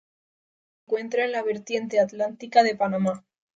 Se encuentra en la vertiente atlántica de Panamá.